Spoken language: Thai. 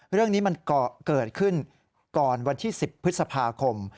เรื่องนี้มันเกิดขึ้นก่อนวันที่๑๐พฤษภาคม